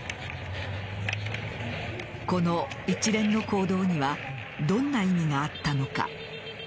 この一連の行動にはどんな意味があったのか。